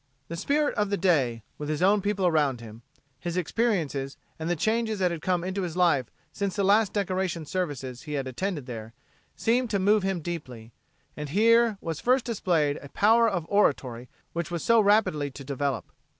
The spirit of the day, with his own people around him, his experiences and the changes that had come into his life since the last decoration services he had attended there, seemed to move him deeply, and here was first displayed a power of oratory which he was so rapidly to develop.